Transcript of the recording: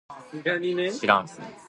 しらん